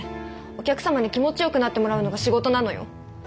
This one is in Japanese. お客様に気持ちよくなってもらうのが仕事なのよ。